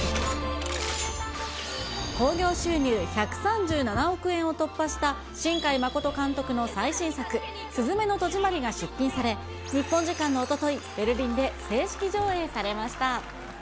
興行収入１３７億円を突破した新海誠監督の最新作、すずめの戸締まりが出品され、日本時間のおととい、ベルリンで正式上映されました。